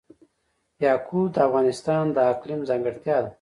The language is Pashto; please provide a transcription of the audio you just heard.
یاقوت د افغانستان د اقلیم ځانګړتیا ده.